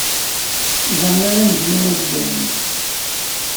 Da ara nezlu azger-nni.